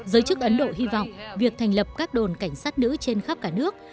giới chức ấn độ hy vọng việc thành lập các đồn cảnh sát nữ trên khắp cả nước